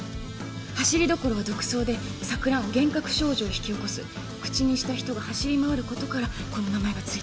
「ハシリドコロは毒草で錯乱幻覚症状を引き起こす」「口にした人が走り回る事からこの名前が付いた」